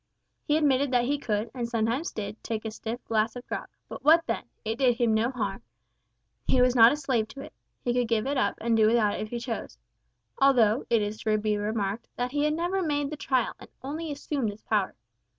He admitted that he could, and sometimes did, take a stiff glass of grog but what then? It did him no harm. He was not a slave to it. He could give it up and do without it if he chose although, it is to be remarked, he had never made the trial, and only assumed this power.